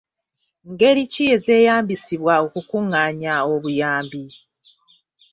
Ngeri ki ezeeyambisibwa okukungaanya obuyambi?